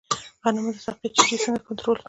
د غنمو د ساقې چینجی څنګه کنټرول کړم؟